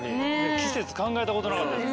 季節考えたことなかった。